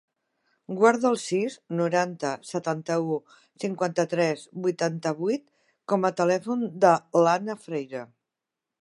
Guarda el sis, noranta, setanta-u, cinquanta-tres, vuitanta-vuit com a telèfon de l'Anna Freire.